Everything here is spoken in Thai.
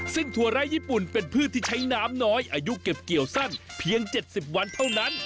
ซึ่งถั่วไร้ญี่ปุ่นเป็นพืชที่ใช้น้ำน้อยอายุเก็บเกี่ยวสั้นเพียง๗๐วันเท่านั้น